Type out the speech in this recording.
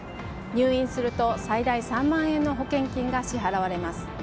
入院すると最大３万円の保険金が支払われます。